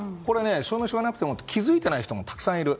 証明書がなくても気づいていない人もたくさんいる。